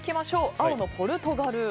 青のポルトガル。